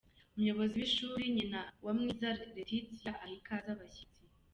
Umuyobozi w'iri shuri Nyinawamwiza Laetitia aha ikaze abashyitsi.